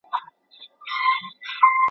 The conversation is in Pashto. دښمن ته د دښمن په سترګه مه ګورئ.